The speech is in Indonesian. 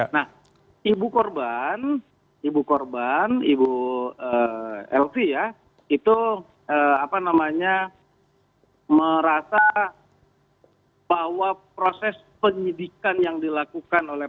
nah ibu korban ibu lv ya itu merasa bahwa proses penyidikan yang dilakukan oleh